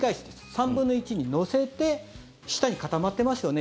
３分の１に乗せて下に固まってますよね。